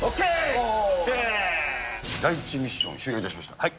第１ミッション、終了いたしました。